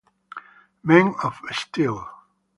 Men of Steel